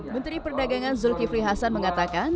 menteri perdagangan zulkifli hasan mengatakan